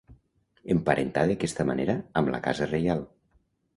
Emparentà d'aquesta manera amb la Casa Reial.